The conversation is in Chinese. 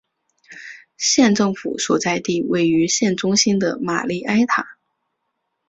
县政府所在地位于县中心的玛丽埃塔。